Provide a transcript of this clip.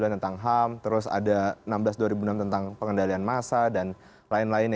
delapan dua ribu sembilan tentang ham terus ada enam belas dua ribu enam tentang pengendalian massa dan lain lainnya